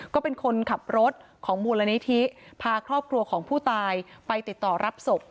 ก็เป็นคนขับรถของมูลนิธิพาครอบครัวของผู้ตายไปติดต่อรับศพ